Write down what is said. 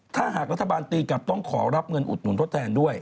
ถ้าหากรัฐบาลตีกลับต้องขอรับเงินอุดหนุนทดแทนด้วย